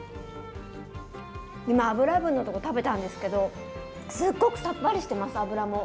今脂分のとこ食べたんですけどすっごくさっぱりしてます脂も。